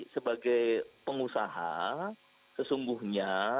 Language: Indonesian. sebagai pengusaha sesungguhnya